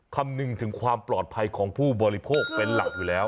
คำนึงถึงความปลอดภัยของผู้บริโภคเป็นหลักอยู่แล้ว